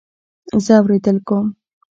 زه اورېدل کوم